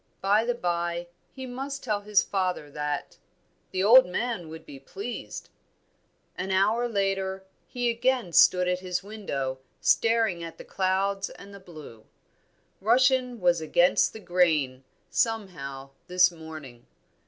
By the bye, he must tell his father that; the old man would be pleased. An hour later, he again stood at his window, staring at the clouds and the blue. Russian was against the grain, somehow, this morning.